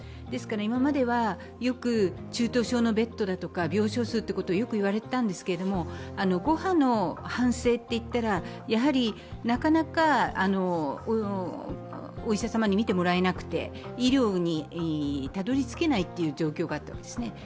今まではよく中等症のベッドとか病床数と言われたんですが、５波の反省といったら、なかなかお医者様に診てもらえなくて医療にたどり着けないという状況があったわけですね。